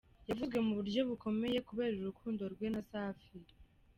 Yavuzwe mu buryo bukomeye kubera urukundo rwe na Safi.